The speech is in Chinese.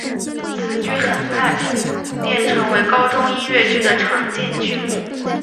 此剧很快便成为高中音乐剧的常见剧目。